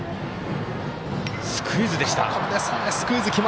スクイズでした。